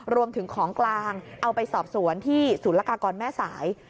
รวมถึงของกลางเอาไปสอบสวนที่ศูนย์ละกากรแม่สาย